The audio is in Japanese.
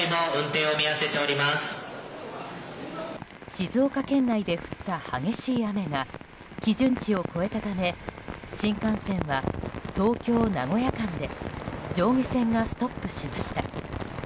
静岡県内で降った激しい雨が基準値を超えたため新幹線は東京名古屋間で上下線がストップしました。